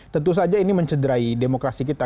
tentu saja ini mencederai demokrasi kita